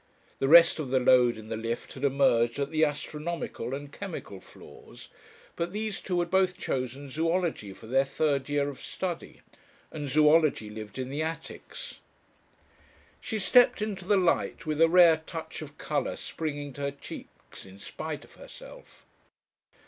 The rest of the load in the lift had emerged at the "astronomical" and "chemical" floors, but these two had both chosen "zoology" for their third year of study, and zoology lived in the attics. She stepped into the light, with a rare touch of colour springing to her cheeks in spite of herself.